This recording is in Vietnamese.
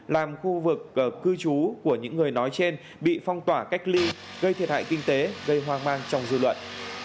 làm khu vực cư trú của những người nói trên bị phong tỏa cách ly gây thiệt hại kinh tế gây hoang mang trong dư luận